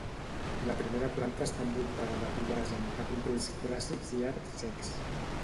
La primera planta està envoltada de pilars amb capitells clàssics i arcs cecs.